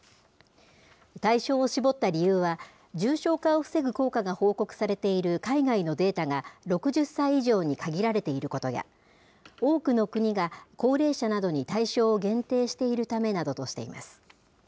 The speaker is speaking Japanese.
対象を絞った理由は、重症化を防ぐ効果が報告されている海外のデータが、６０歳以上に限られていることや、多くの国が高齢者などに対象を限定しているためなどとしています。